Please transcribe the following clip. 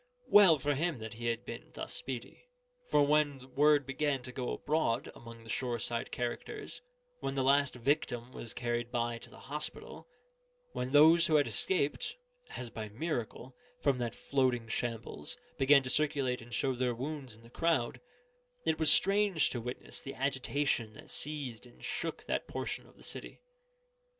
Well for him that he had been thus speedy. For when word began to go abroad among the shore side characters, when the last victim was carried by to the hospital, when those who had escaped (as by miracle) from that floating shambles, began to circulate and show their wounds in the crowd, it was strange to witness the agitation that seized and shook that portion of the city.